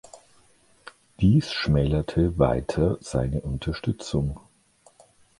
Dies schmälerte weiter seine Unterstützung.